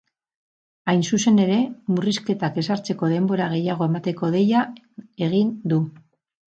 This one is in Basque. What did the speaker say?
Hain zuzen ere, murrizketak ezartzeko denbora gehiago emateko deia egin du.